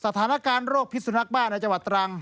สถานการณ์โรคพิษสุนักบ้าในจังหวัดตรัง